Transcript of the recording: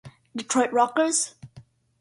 Detroit Rockers